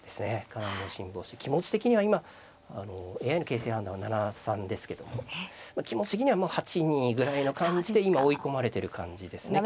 かなりの辛抱して気持ち的には今ＡＩの形勢判断は７３ですけども気持ち的にはもう８２ぐらいの感じで今追い込まれてる感じですね。